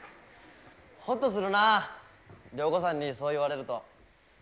ホッとするなあ涼子さんにそう言われると。